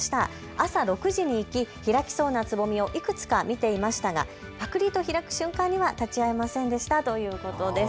朝６時に行き開きそうなつぼみをいくつか見ていましたがぱくりと開く瞬間には立ち会えませんでしたということです。